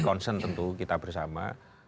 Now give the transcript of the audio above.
concern tentu kita bersama